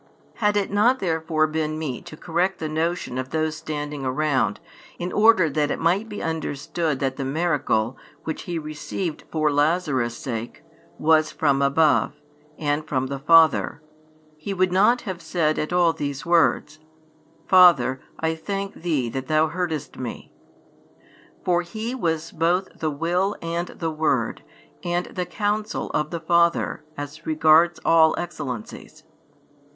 Had it not therefore been meet to correct the notion of those standing around, in order that it might be understood that the miracle, which He received for Lazarus' sake, was from above, and from the Father, He would not have said at all these words: Father, I thank Thee that Thou heardest Me. For He was both the Will and the Word, and the Counsel of the Father as regards all excellencies.